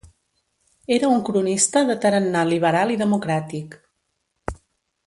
Era un cronista de tarannà liberal i democràtic.